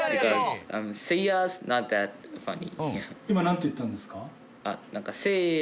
今なんて言ったんですか？